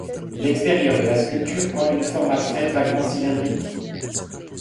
L'extérieur de la sculpture prend une forme abstraite vaguement cylindrique.